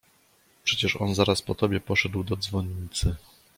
"Przecież on zaraz po tobie poszedł do dzwonnicy."